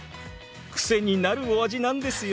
癖になるお味なんですよ。